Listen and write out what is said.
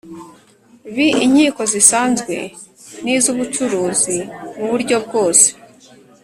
b Inkiko zisanzwe n iz ubucuruzi mu buryo bwose